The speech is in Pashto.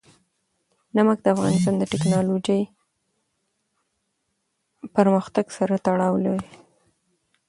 نمک د افغانستان د تکنالوژۍ پرمختګ سره تړاو لري.